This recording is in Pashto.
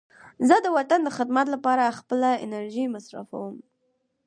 زه د وطن د خدمت لپاره خپله انرژي مصرفوم.